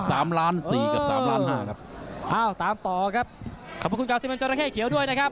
สามล้านสี่กับสามล้านห้าครับอ้าวตามต่อครับขอบคุณคุณกาซิมันจราเข้เขียวด้วยนะครับ